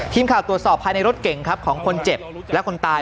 ทีมข่าวตรวจสอบภายในรถเก่งครับของคนเจ็บและคนตาย